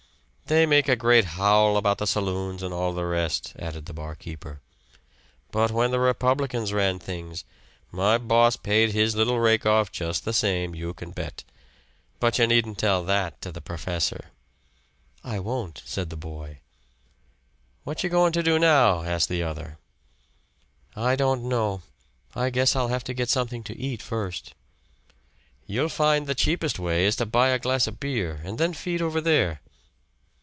"They make a great howl about the saloons an' all the rest," added the barkeeper. "But when the Republicans ran things, my boss paid his little rake off just the same, you can bet. But you needn't tell that to the perfessor." "I won't," said the boy. "What you goin' to do now?" asked the other. "I don't know. I guess I'll have to get something to eat first." "You'll find the cheapest way is to buy a glass of beer and then feed over there."